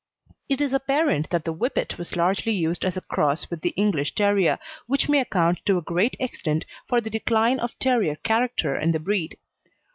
It is apparent that the Whippet was largely used as a cross with the English Terrier, which may account to a great extent for the decline of terrier character in the breed.